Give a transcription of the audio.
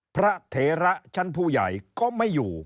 เถระชั้นผู้ใหญ่ก็ไม่อยู่